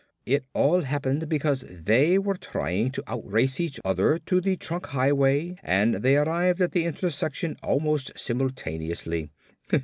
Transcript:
It all happened because they were trying to outrace each other to the trunk highway and they arrived at the intersection almost simultaneously.